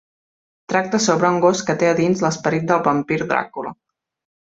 Tracta sobre un gos que té a dins l'esperit del vampir Dràcula.